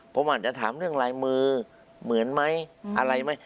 ผมอาจจะถามเรื่องลายมือเหมือนไหมอะไรไหม